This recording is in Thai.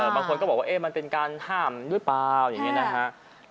บางคนก็บอกว่ามันเป็นการห้ามหรือเปล่าอย่างนี้นะฮะ